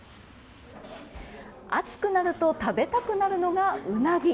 暑くなると食べたくなるのがウナギ。